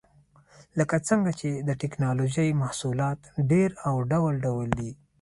لکه څنګه چې د ټېکنالوجۍ محصولات ډېر او ډول ډول دي.